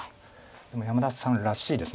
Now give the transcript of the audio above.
でも山田さんらしいです。